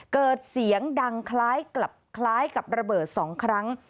เกิดเสียงดังคล้ายกับระเบิด๒ครั้ง